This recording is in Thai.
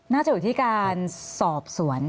น่าจะอยู่ที่การสอบสวน